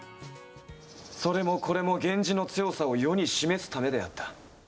それもこれも源氏の強さを世に示すためであった。